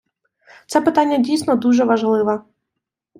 Це питання дійсно дуже важливе.